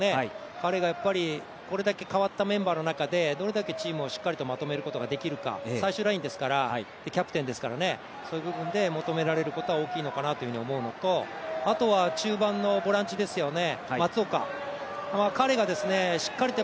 彼が、やっぱりこれだけ代わったメンバーの中でどれだけチームをしっかりまとめることができるか最終ラインですからで、キャプテンですからそういう部分で求められる部分は大きいのかなと思うのとあとは中盤のボランチですよね。